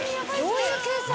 どういう計算？